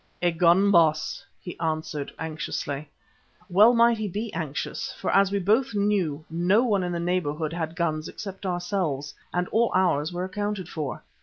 "A gun, Baas," he answered anxiously. Well might he be anxious, for as we both knew, no one in the neighbourhood had guns except ourselves, and all ours were accounted for.